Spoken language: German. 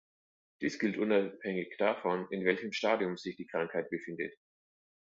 Dies gilt unabhängig davon, in welchem Stadium sich die Krankheit befindet.